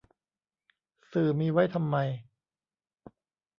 สื่อมีไว้ทำไม